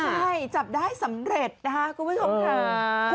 ใช่จับได้สำเร็จนะฮะกูไม่สงสัย